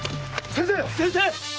先生！